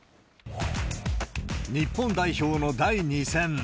日本代表の第２戦。